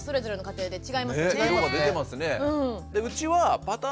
色が出てますね。